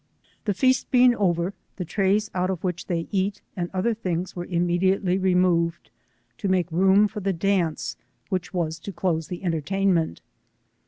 The feast being over, the trays, out of which they eat, and other things were imme diately removed to make room for the dance, which was to close the entertainment.